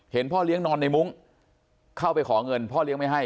พ่อเลี้ยงนอนในมุ้งเข้าไปขอเงินพ่อเลี้ยงไม่ให้